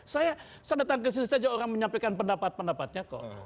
saya datang ke sini saja orang menyampaikan pendapat pendapatnya kok